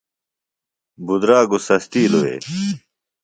بدراگوۡ سستِیلوۡ وے؟